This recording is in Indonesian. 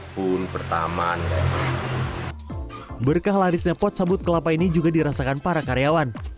pun pertama berkah larisnya pot sabut kelapa ini juga dirasakan para karyawan